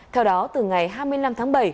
theo đó từ ngày hai mươi năm tháng bảy